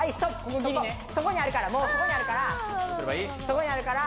そこにあるからもうそこにあるから。